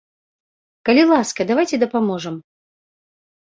Калі ласка, давайце дапаможам!